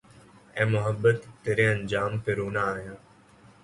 اے محبت تیرے انجام پہ رونا آیا